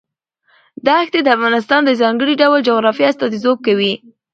دښتې د افغانستان د ځانګړي ډول جغرافیه استازیتوب کوي.